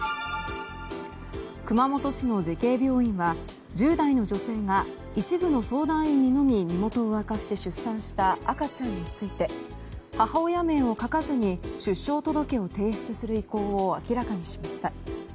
熊本市の慈恵病院は１０代の女性が一部の相談員にのみ身元を明かして出産した赤ちゃんについて母親名を書かずに出生届を提出する意向を明らかにしました。